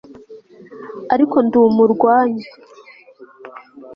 ariko ndi umurwanya